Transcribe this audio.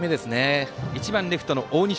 １番、レフトの大西。